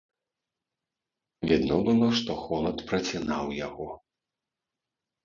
Відно было, што холад працінаў яго.